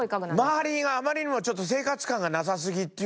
周りがあまりにもちょっと生活感がなさすぎっていうか。